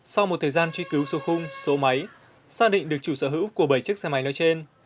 sau một thời gian truy cứu số khung số máy xác định được chủ sở hữu của bảy chiếc xe máy nói trên